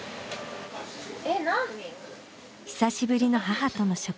久しぶりの母との食事。